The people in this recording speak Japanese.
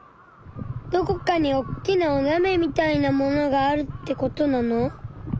どこかにおっきなおなべみたいなものがあるってことなの？